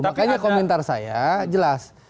makanya komentar saya jelas